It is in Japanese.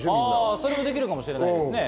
それもできるかもしれませんね。